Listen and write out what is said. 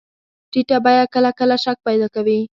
ټیټه بیه کله کله شک پیدا کوي.